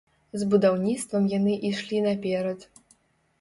З будаўніцтвам яны ішлі наперад.